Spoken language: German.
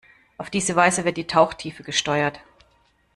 Auf diese Weise wird die Tauchtiefe gesteuert.